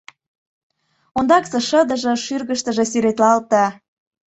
Ондаксе шыдыже шӱргыштыжӧ сӱретлалте.